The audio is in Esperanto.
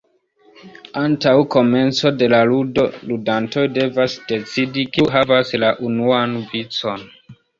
Antaŭ komenco de la ludo, ludantoj devas decidi, kiu havas la unuan vicon.